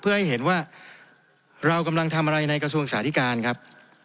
เพื่อให้เห็นว่าเรากำลังทำอะไรในกระทรวงสาธิการครับ